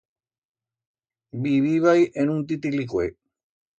Vivíbai en un titilicué.